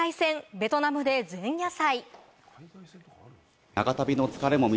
ベトナムで前夜祭。